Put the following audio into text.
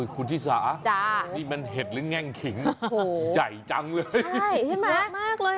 คุณธิสานี่มันเห็ดหรือแง่งขิงใหญ่จังเลยมากเลยอ่ะ